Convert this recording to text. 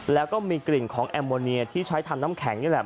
แล้วก็มีกลิ่นของแอมโมเนียที่ใช้ทำน้ำแข็งนี่แหละ